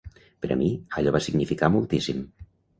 Per a mi, allò va significar moltíssim.